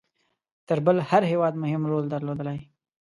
تر بل هر هیواد مهم رول درلودی.